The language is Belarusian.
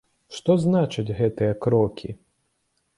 Што значаць гэтыя крокі?